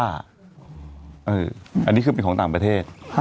อันนี้คือเป็นของต่างประเทศ